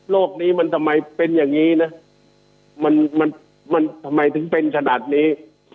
นี้มันทำไมเป็นอย่างนี้นะมันมันทำไมถึงเป็นขนาดนี้